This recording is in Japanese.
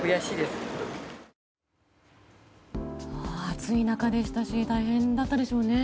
暑い中でしたし大変だったでしょうね。